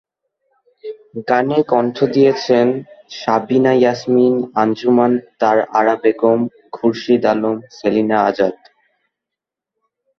গানে কণ্ঠ দিয়েছেন সাবিনা ইয়াসমিন, আঞ্জুমান আরা বেগম, খুরশিদ আলম, সেলিনা আজাদ।